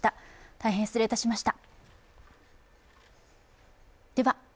大変失礼いたしました。